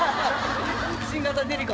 新型デリカ